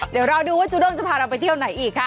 เดี๋ยวเราดูว่าจูด้งจะพาเราไปเที่ยวไหนอีกคะ